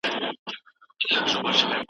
قومي مشران د لوړو زده کړو پوره حق نه لري.